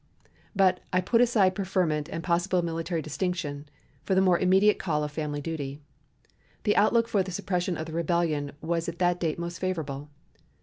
But I put aside preferment and possible military distinction for the more immediate call of family duty. The outlook for the suppression of the rebellion was at that date most favorable.